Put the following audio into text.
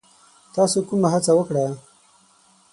تاسو کومه هڅه وکړه؟